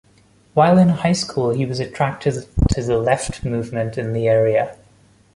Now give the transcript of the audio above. While in high school he was attracted to the Left movement in the area.